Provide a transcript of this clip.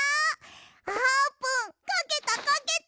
あーぷんかけたかけた！